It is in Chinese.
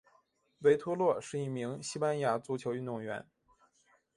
维托洛是一位西班牙足球运动员。